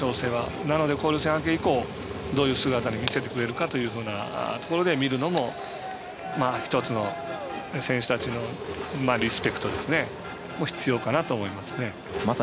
なので、交流戦明け以降どういう姿を見せてくれるかというところで見るのも１つの選手たちのリスペクトも必要かなと思います。